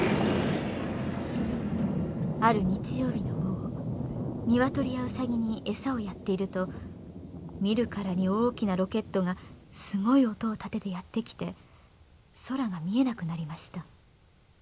「ある日曜日の午後ニワトリやウサギに餌をやっていると見るからに大きなロケットがすごい音を立ててやって来て空が見えなくなりました。